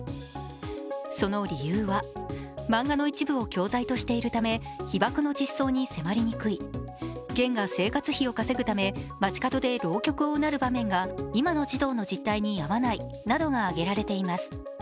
その理由は、漫画の一部を教材としているため、被爆の実相に迫りにくいゲンが生活費を稼ぐため街角で浪曲をうなる場面が今の児童の実態に合わないなどが挙げられています。